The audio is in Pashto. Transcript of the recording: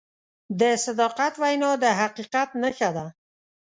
د صداقت وینا د حقیقت نښه ده.